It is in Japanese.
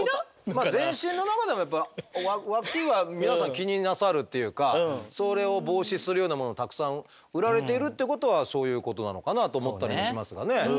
全身の中でもやっぱワキは皆さん気になさるっていうかそれを防止するようなものたくさん売られているってことはそういうことなのかなと思ったりもしますがね。